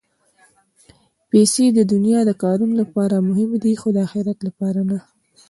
پېسې د دنیا د کارونو لپاره مهمې دي، خو د اخرت لپاره نه.